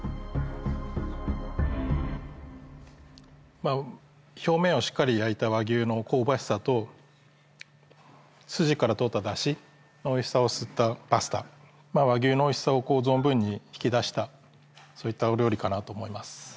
まぁ表面をしっかり焼いた和牛の香ばしさとすじから取っただしのおいしさを吸ったパスタ和牛のおいしさを存分に引き出したそういったお料理かなと思います